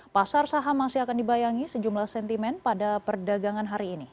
pasar saham masih akan dibayangi sejumlah sentimen pada perdagangan hari ini